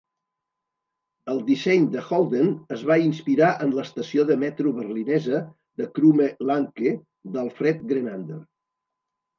El disseny de Holden es va inspirar en l'estació de metro berlinesa de Krumme Lanke, d'Alfred Grenander.